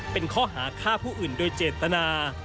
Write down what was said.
เป็นข้อหาฆ่าผู้อื่นโดยเจตนา